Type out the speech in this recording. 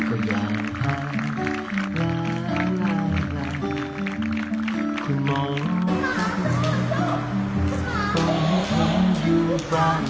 คุณหมอครับสวัสดีครับคุณหมอครับ